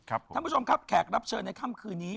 ท่านผู้ชมครับแขกรับเชิญในค่ำคืนนี้